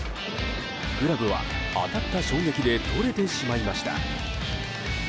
グラブは当たった衝撃で取れてしまいました。